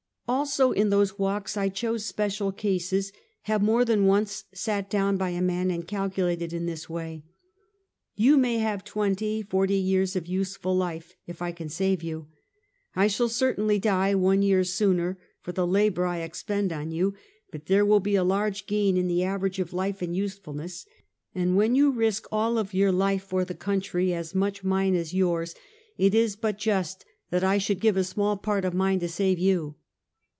Also, in those walks I chose special cases ; have more than once sat down by a man and calculated in this way: " You may have twenty, forty years of useful life, if I can save you ; I shall certainly die one year sooner for the labor I expend on you, but there will be a large gain in the average of life and usefulness; and when you risked all of your life for the country as much mine Special "Woek. 267 as yours, it is but just that I should give a small part of mine to save you."